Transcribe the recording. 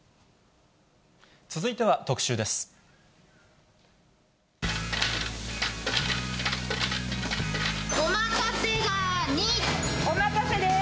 続いては特集です。